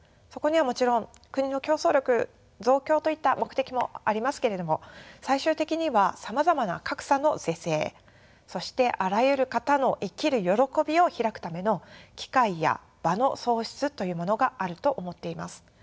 そこにはもちろん国の競争力増強といった目的もありますけれども最終的にはさまざまな格差の是正そしてあらゆる方の生きる喜びを開くための機会や場の創出というものがあると思っています。